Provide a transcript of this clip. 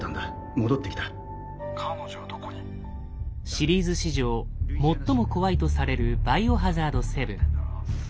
シリーズ史上最も怖いとされる「バイオハザード７」。